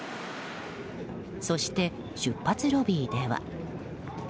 そして、出発ロビーでは。